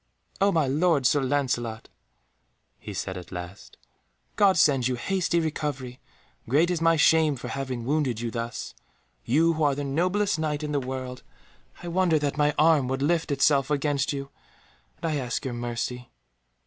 "Oh, my lord Sir Lancelot," he said at last, "God send you hasty recovery; great is my shame for having wounded you thus, you who are the noblest Knight in the world. I wonder that my arm would lift itself against you, and I ask your mercy."